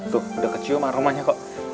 tuh udah kecium aromanya kok